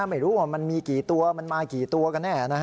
ไม่รู้ว่ามันมีกี่ตัวมันมากี่ตัวกันแน่